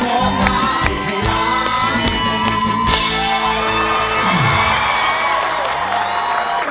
ร้องได้ให้ล้าน